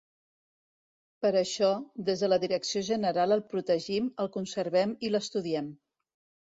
Per això, des de la Direcció General el protegim, el conservem i l'estudiem.